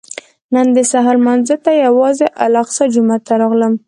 نن د سهار لمانځه ته یوازې الاقصی جومات ته راغلم.